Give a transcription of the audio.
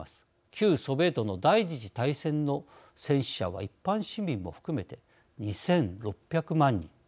旧ソビエトの第二次大戦の戦死者は一般市民も含めて２６００万人。